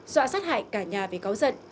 dọa sát hại cả nhà vì cáo giận